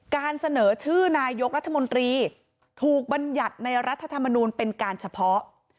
การเสนอชื่อนายกรัฐมนตรีถูกบรรยัติในรัฐธรรมนูลเป็นการเฉพาะ